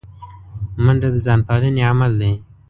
منډه د ځان پالنې عمل دی